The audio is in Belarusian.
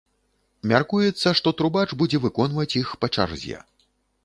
Мяркуецца, што трубач будзе выконваць іх па чарзе.